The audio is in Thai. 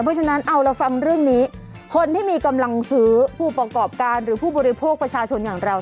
เพราะฉะนั้นเอาเราฟังเรื่องนี้คนที่มีกำลังซื้อผู้ประกอบการหรือผู้บริโภคประชาชนอย่างเรา